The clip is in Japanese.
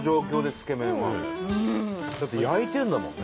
だって焼いてるんだもんね。